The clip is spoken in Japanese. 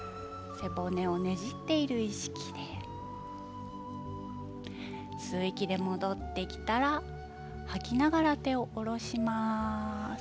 背骨をねじっている意識で吸う息で戻ってきたら吐きながら手を下ろします。